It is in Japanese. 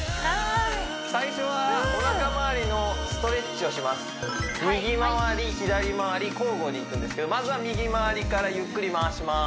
最初はおなか回りのストレッチをします右回り左回り交互にいくんですけどまずは右回りからゆっくり回します